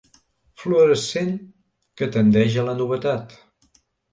Fluorescent que tendeix a la novetat.